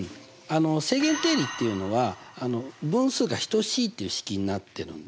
正弦定理っていうのは分数が等しいっていう式になってるんですね。